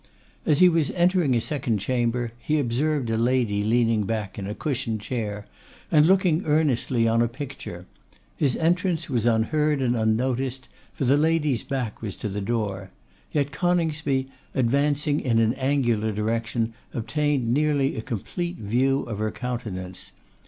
As he was entering a second chamber, he observed a lady leaning back in a cushioned chair, and looking earnestly on a picture. His entrance was unheard and unnoticed, for the lady's back was to the door; yet Coningsby, advancing in an angular direction, obtained nearly a complete view of her countenance.